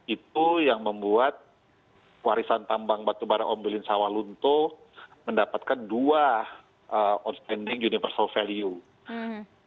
itu yang membuat warisan tambang batubara ombeli sawalunto mendapatkan dua outstanding universal value